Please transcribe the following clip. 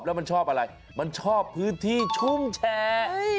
แล้วมันชอบอะไรมันชอบพื้นที่ชุ่มแชร์